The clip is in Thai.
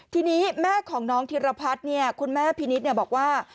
ทีนี้แม่ของน้องธิรพัดเนี้ยคุณแม่พินิศเนี้ยบอกว่า